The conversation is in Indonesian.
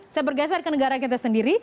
saya bergeser ke negara kita sendiri